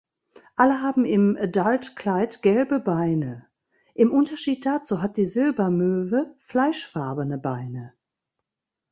Alle haben im Adultkleid gelbe Beine; im Unterschied dazu hat die Silbermöwe fleischfarbene Beine.